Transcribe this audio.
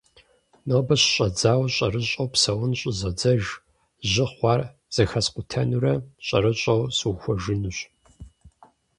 Нобэ щыщӏэдзауэ, щӏэрыщӏэу псэун щӏызодзэж. Жьы хъуар зэхэскъутэнурэ щӏэрыщӏэу сухуэжынущ.